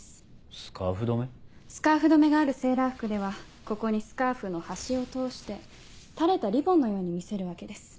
スカーフ留めがあるセーラー服ではここにスカーフの端を通して垂れたリボンのように見せるわけです。